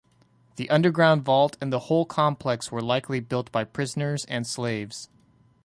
The underground vault and the whole complex were likely built by prisoners and slaves.